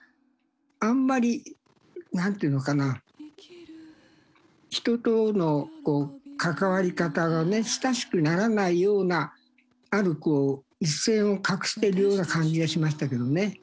あんまり何ていうのかな人との関わり方がね親しくならないようなあるこう一線を画してるような感じがしましたけどね。